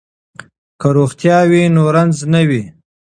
که روغتیا وي نو رنځ نه وي.